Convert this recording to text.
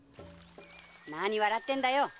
なに笑ってんだよ！